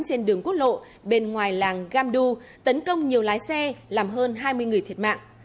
trên đường quốc lộ bên ngoài làng gamdu tấn công nhiều lái xe làm hơn hai mươi người thiệt mạng